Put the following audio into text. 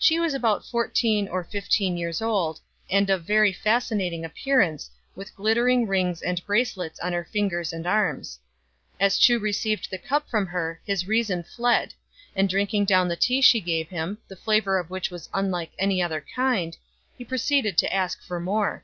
She was about fourteen or fifteen years old, and of very fasci nating appearance, with glittering rings and bracelets on her fingers and arms. As Chu received the cup from her his reason fled ; and drinking down the tea she gave him, the flavour of which was unlike any other kind, he proceeded to ask for more.